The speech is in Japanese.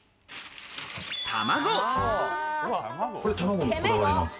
卵。